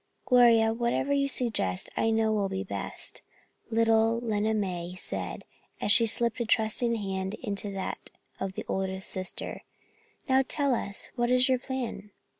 "Gloria, whatever you suggest, I know will be best," little Lena May said, as she slipped a trusting hand into that of the oldest sister. "Now, tell us, what is your plan?"